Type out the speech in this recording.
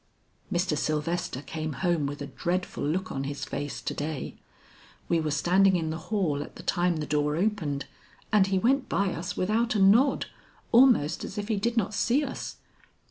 "Mr. Sylvester came home with a dreadful look on his face to day. We were standing in the hall at the time the door opened, and he went by us without a nod, almost as if he did not see us.